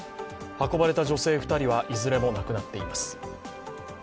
運ばれた女性２人はいずれも亡くなっています。